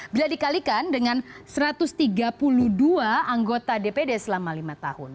bila dikalikan dengan satu ratus tiga puluh dua anggota dpd selama lima tahun